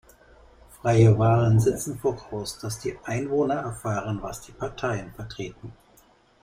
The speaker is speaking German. Freie Wahlen setzen voraus, dass die Einwohner erfahren, was die Parteien vertreten.